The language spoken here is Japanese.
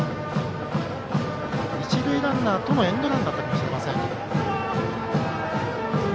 一塁ランナーとのエンドランだったかもしれません。